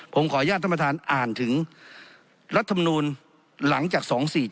ผมขออนุญาตท่านประธานอ่านถึงรัฐมนูลหลังจาก๒๔๗